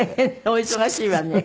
お忙しいわね。